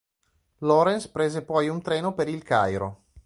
Lawrence prese poi un treno per Il Cairo.